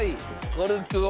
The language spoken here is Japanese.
コルクを。